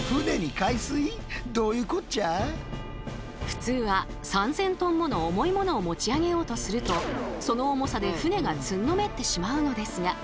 普通は３，０００ｔもの重いものを持ち上げようとするとその重さで船がつんのめってしまうのですが。